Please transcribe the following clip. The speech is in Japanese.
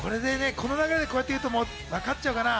この流れでこう言うと分かっちゃうかな？